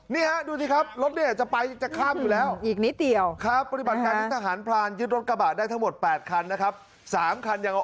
นี่ครับดูสิครับรถนี้จะไปจะข้ามอยู่แล้ว